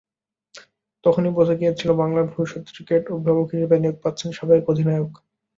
তখনই বোঝা গিয়েছিল বাংলার ভবিষ্যৎ ক্রিকেট অভিভাবক হিসেবে নিয়োগ পাচ্ছেন সাবেক অধিনায়ক।